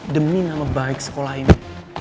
demi nama baik sekolah ini